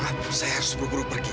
aduh saya harus buru buru pergi